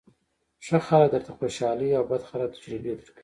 ښه خلک درته خوشالۍ او بد خلک تجربې درکوي.